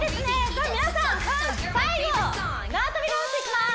じゃあ皆さん最後縄跳びダンスいきます！